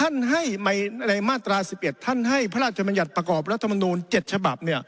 ท่านให้ในมาตรา๑๑ท่านให้พระราชมัญญัติประกอบรัฐมนูล๗ฉบับ